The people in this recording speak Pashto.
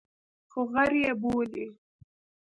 خو غر یې بولي.